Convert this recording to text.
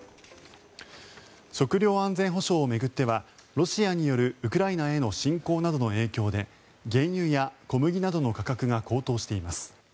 食料安全保障を巡ってはロシアによるウクライナへの侵攻などの影響で原油や小麦などの価格が高騰しています。